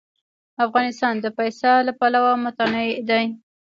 افغانستان د پسه له پلوه متنوع دی.